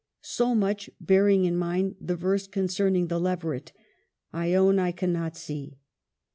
So much, bearing in mind the verse concerning the leveret, I own I cannot see.